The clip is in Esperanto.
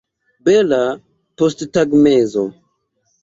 Bela posttagmezo.